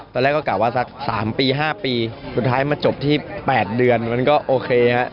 ตอนแรกก็กลับว่าสัก๓ปี๕ปีสุดท้ายมาจบที่๘เดือนมันก็โอเคฮะ